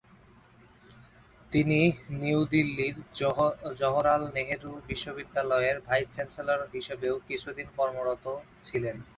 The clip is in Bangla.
তিনি নিউ দিল্লির জওহরলাল নেহরু বিশ্ববিদ্যালয়ের ভাইস চ্যান্সেলর হিসেবেও কিছুদিন কর্মরত ছিলেন।